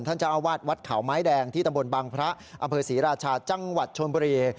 ท่านเจ้าอาวาสวัดเขาไม้แดงที่ตำบลบังพระอำเภอศรีราชาจังหวัดชนบุรี